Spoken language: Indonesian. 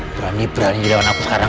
berani berani di depan aku sekarang